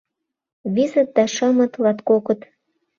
Визыт да шымыт — латкокыт.